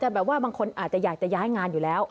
บางคนอาจจะอยากจะย้ายงานอยู่แล้ว